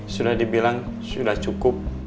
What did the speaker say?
sudah dibilang sudah cukup